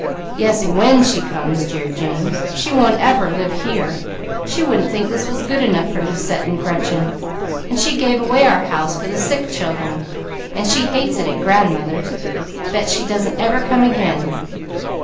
"Yes 'when' she comes!" jeered James. "She won't ever live here! She wouldn't think this was good enough for Lucette and Gretchen! And she gave away our house for the sick children, and she hates it at grandmother's! Bet she doesn't ever come again!"